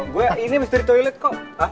gue ini bisa dari toilet kok